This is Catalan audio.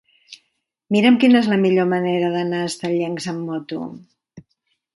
Mira'm quina és la millor manera d'anar a Estellencs amb moto.